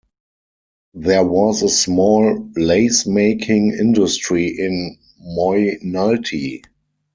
There was a small lace-making industry in Moynalty.